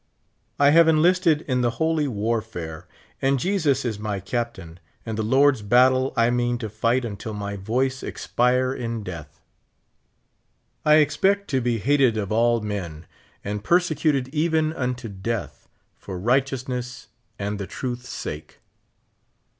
I have enlisted in the holy warfare, and Jesus is my Captain ; and the Lord's battle I mean to fight until my voice expire in death. I expect to be hated of all men, and persecuted even unto death, for righteousness and the truth's sake.